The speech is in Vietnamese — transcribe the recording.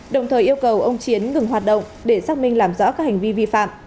đồng thời yêu cầu ông chiến ngừng hoạt động để xác minh làm rõ các hành vi vi phạm